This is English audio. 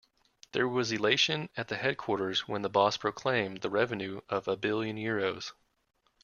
There was elation at the headquarters when the boss proclaimed the revenue of a billion euros.